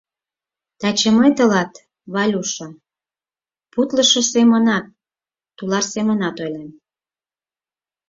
— Таче мый тылат, Валюша, путлышо семынат, тулар семынат ойлем.